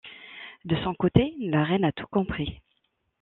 De son côté, la reine a tout compris.